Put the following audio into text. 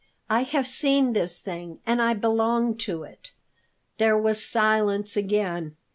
I have seen this thing, and I belong to it." There was silence again.